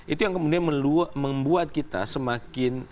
itu yang kemudian membuat kita semakin